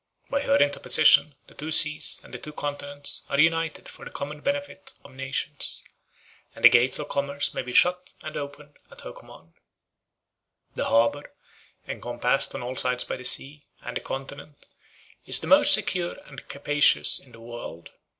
By her interposition, the two seas, and the two continents, are united for the common benefit of nations; and the gates of commerce may be shut or opened at her command. The harbor, encompassed on all sides by the sea, and the continent, is the most secure and capacious in the world.